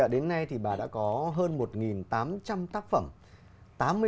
đến nay thì bà đã có hơn một tám trăm linh tác phẩm